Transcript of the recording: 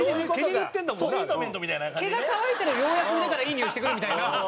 毛が乾いたらようやく腕からいいにおいしてくるみたいな。